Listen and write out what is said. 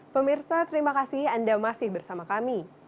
pemirsa terima kasih anda masih bersama kami